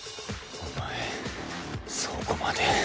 お前そこまで。